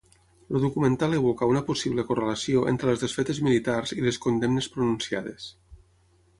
El documental evoca una possible correlació entre les desfetes militars i les condemnes pronunciades.